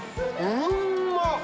うんまっ！